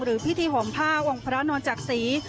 หรือพิธีห่อมผ้าองค์พระนอนจักรศรี